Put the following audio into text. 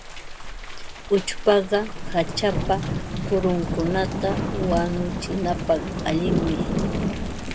Uchpaqa hachapa kurunkunata wanuchinapaq allinmi.